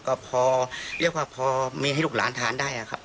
ก็พอเรียกว่าพอมีให้ลูกหลานทานได้ครับ